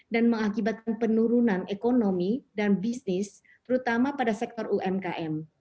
dan mengakibatkan penurunan ekonomi dan bisnis terutama pada sektor umkm